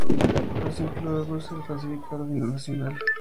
Racing Club de Bruxelles clasifica a la final nacional.